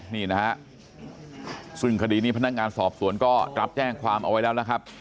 นี่นะฮะซึ่งคดีนี้พนักงานสอบสวนก็รับแจ้งความเอาไว้แล้วนะครับ